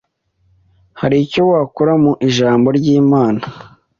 haricyo wakura mu Ijambo ry’Imana